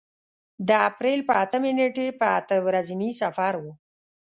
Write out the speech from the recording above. د اپرېل په اتمې نېټې په اته ورځني سفر و.